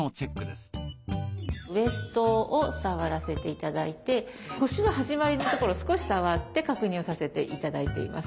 ウエストを触らせて頂いて腰の始まりのところ少し触って確認をさせて頂いています。